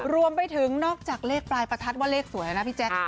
รวมไปถึงนอกจากเลขปลายประทัดว่าเลขสวยนะพี่แจ๊ค